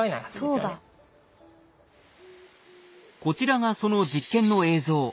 こちらがその実験の映像。